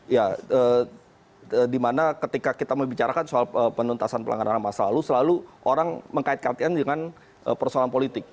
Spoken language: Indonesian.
ya dimana ketika kita membicarakan soal penuntasan pelanggaran masa lalu selalu orang mengkait kaitkan dengan persoalan politik